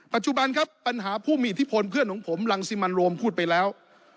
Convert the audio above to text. ปัจจุบันครับปัญหาผู้มีอิทธิพลเพื่อนของผมรังสิมันโรมพูดไปแล้ว